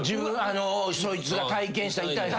そいつが体験した痛い話？